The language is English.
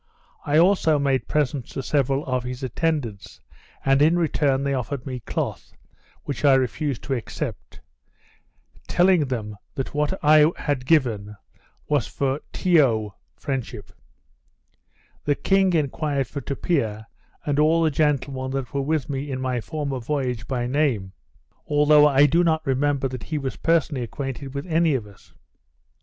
I also made presents to several of his attendants; and, in return, they offered me cloth, which I refused to accept; telling them that what I had given was for tiyo (friendship). The king enquired for Tupia, and all the gentlemen that were with me in my former voyage, by name; although I do not remember that he was personally acquainted with any of us.